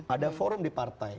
ada forum di partai